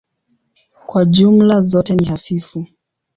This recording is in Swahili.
Kwa jumla zote ni hafifu.